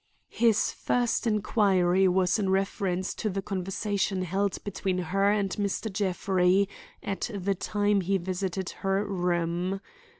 His first inquiry was in reference to the conversation held between her and Mr. Jeffrey at the time he visited her room.